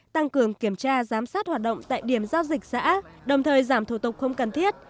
tăng cường kiểm tra giám sát hoạt động tại điểm giao dịch xã đồng thời giảm thủ tục không cần thiết